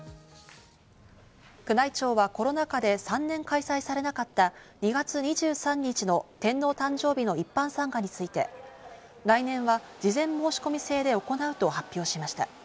宮内庁はコロナ禍で３年開催されなかった２月２３日の天皇誕生日の一般参賀について、来年は事前申し込み制で行うと発表しました。